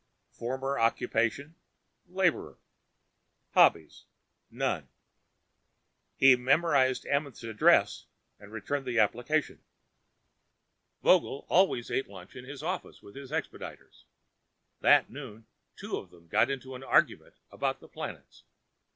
Former Occupation: Laborer. Hobbies: None. He memorized Amenth's address and returned the application. Vogel always ate lunch in the office with his expediters. That noon two of them got into an argument about the planets.